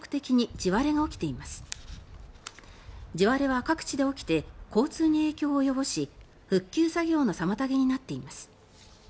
地割れは各地で起きて交通に影響を及ぼし復旧作業の妨げになっています。